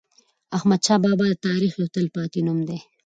احمدشاه بابا د تاریخ یو تل پاتی نوم دی.